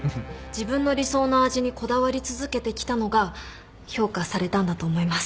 自分の理想の味にこだわり続けてきたのが評価されたんだと思います。